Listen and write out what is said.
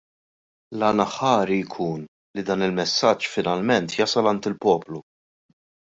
L-għan aħħari jkun li dan il-messaġġ finalment jasal għand il-poplu.